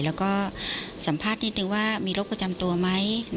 แล้วก็สัมภาษณ์นิดนึงว่ามีโรคประจำตัวไหม